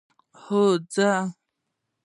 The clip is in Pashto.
هو ځو.